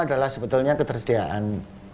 adalah sebetulnya ketersediaan